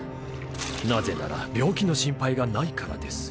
なぜなら病気の心配がないからです。